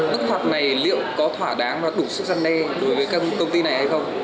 đức phạt này liệu có thỏa đáng và đủ sức dân đe đối với công ty này hay không